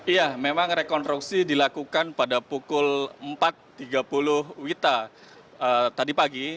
iya memang rekonstruksi dilakukan pada pukul empat tiga puluh wita tadi pagi